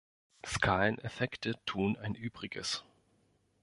Skaleneffekte tun ein Übriges.